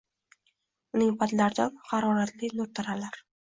Uning patlaridan haroratli nur taralar